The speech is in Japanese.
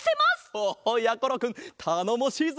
おやころくんたのもしいぞ！